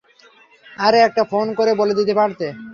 আরে একটা ফোন করে বলে দিতে পারতে।